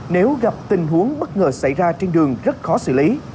nếu gặp tình huống bất ngờ xảy ra trên đường rất khó xử lý